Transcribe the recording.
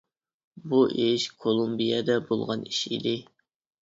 بۇ ئىش كولومبىيەدە بولغان ئىش ئىدى.